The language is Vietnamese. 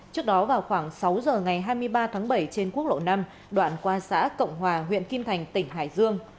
trước đó vào khoảng sáu giờ ngày hai mươi ba tháng bảy trên quốc lộ năm đoạn qua xã cộng hòa huyện kim thành tỉnh hải dương